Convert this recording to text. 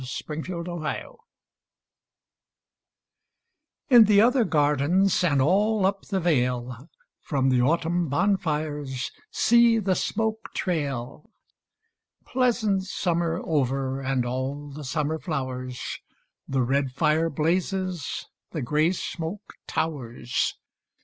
VI Autumn Fires In the other gardens And all up the vale, From the autumn bonfires See the smoke trail! Pleasant summer over And all the summer flowers, The red fire blazes, The grey smoke towers.